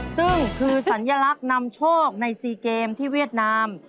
ซึ่งคือสัญลักษณ์นำโชคใน๔เกมที่เวียดนาม